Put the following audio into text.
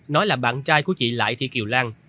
nói là bạn trai của chị lại thị kiều lan